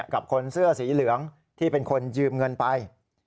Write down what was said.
กับคนเสื้อสีเหลืองที่เป็นคนยืมเงินไป